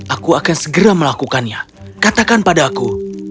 aku akan segera melakukannya katakan pada aku